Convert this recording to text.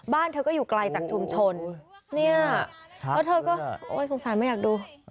บ้านเธอก็อยู่ไกลจากชุมชนเนี่ยแล้วเธอก็โอ้ยสงสารไม่อยากดู